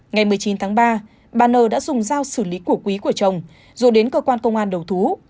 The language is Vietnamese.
ngày một mươi chín tháng ba bà nơ đã dùng dao xử lý của quý của chồng rồi đến cơ quan công an đầu thú